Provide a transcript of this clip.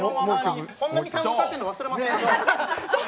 本並さんが歌ってるの忘れません？